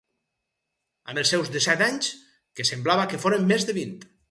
Amb els seus dèsset anys, que semblava que foren més de vint.